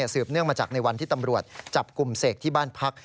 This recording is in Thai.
เนื่องมาจากในวันที่ตำรวจจับกลุ่มเสกที่บ้านพัก